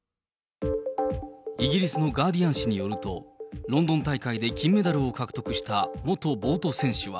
イギリスのガーディアン紙によると、ロンドン大会で金メダルを獲得した元ボート選手は。